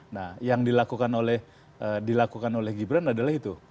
nah yang dilakukan oleh gibran adalah itu